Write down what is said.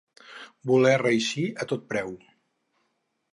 Voler reeixir a tot preu.